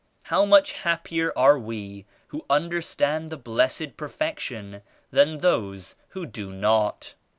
How much happier are we who understand the Blessed Perfection than those who do not.